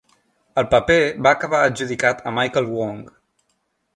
El paper va acabar adjudicat a Michael Wong.